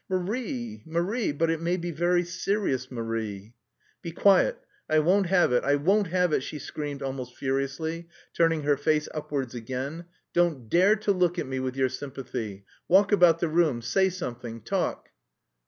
"Marie, Marie! But it may be very serious, Marie!" "Be quiet... I won't have it, I won't have it," she screamed almost furiously, turning her face upwards again. "Don't dare to look at me with your sympathy! Walk about the room, say something, talk...."